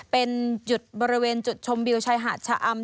เป็นจุดบริเวณจุดชมวิวชายหาดชะอำ